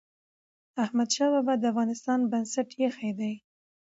احمد شاه بابا د افغانستان بنسټ ايښی دی.